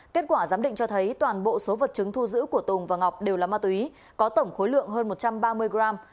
kết quả giám định cho thấy toàn bộ số vật chứng thu giữ của tùng và ngọc đều là ma túy có tổng khối lượng hơn một trăm ba mươi gram